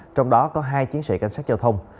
trong đó có hai chiến sĩ cảnh sát giao thông